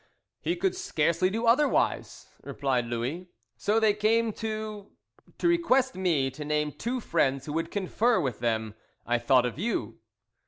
"He could scarcely do otherwise," replied Louis. "So they came to ." "To request me to name two friends who would confer with them; I thought of you."